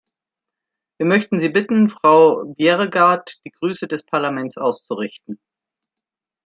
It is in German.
Wir möchten Sie bitten, Frau Bjerregaard die Grüße des Parlaments auszurichten.